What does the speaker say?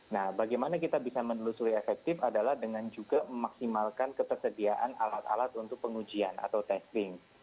nah bagaimana kita bisa menelusuri efektif adalah dengan juga memaksimalkan ketersediaan alat alat untuk pengujian atau testing